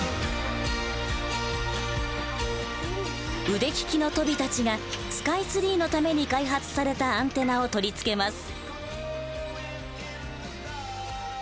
腕利きのとびたちがスカイツリーのために開発されたアンテナを取り付けます。